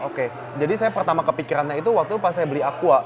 oke jadi saya pertama kepikirannya itu waktu pas saya beli aqua